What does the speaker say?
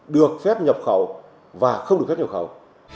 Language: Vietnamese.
được phép nhập khẩu và không được phép nhập khẩu